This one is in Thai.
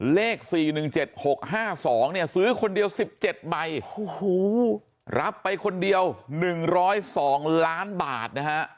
เลข๔๑๗๖๕๒เนี่ยซื้อคนเดียว๑๗ใบรับไปคนเดียว๑๐๒ล้านบาทนะฮะ